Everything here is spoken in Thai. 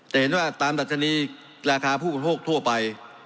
เห็นว่าตามดัชนีราคาผู้บริโภคทั่วไป